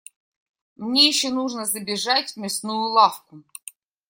Мне ещё нужно забежать в мясную лавку.